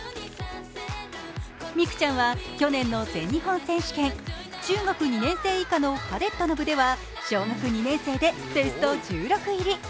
美空ちゃんは去年の全日本選手権中学２年生以下のパレットの部では小学２年生でベスト１６位入り。